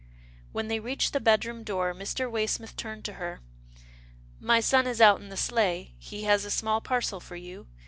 When they reached the bed room door, Mr. Way smith turned to her. My son is out in the sleigh. He has a small parcel for you.